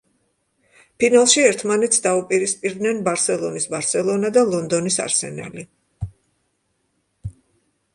ფინალში ერთმანეთს დაუპირისპირდნენ ბარსელონის ბარსელონა და ლონდონის არსენალი.